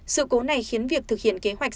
sự cố này khiến việc thực hiện kế hoạch